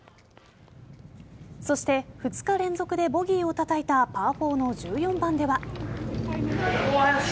そして２日連続でボギーをたたいたパー４の１４番では。